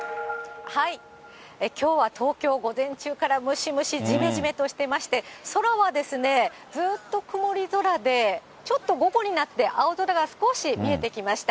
きょうは東京、午前中からムシムシじめじめとしてまして、空はですね、ずっと曇り空で、ちょっと午後になって青空が少し見えてきました。